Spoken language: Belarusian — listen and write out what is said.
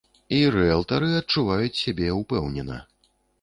І рыэлтары адчуваюць сябе ўпэўнена.